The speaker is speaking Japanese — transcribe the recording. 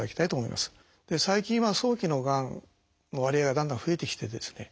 最近は早期のがんの割合がだんだん増えてきてですね